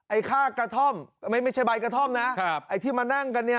ไอ้ค่ากระท่อมไม่ใช่ใบกระท่อมนะครับไอ้ที่มานั่งกันเนี่ย